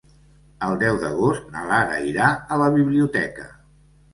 El deu d'agost na Lara irà a la biblioteca.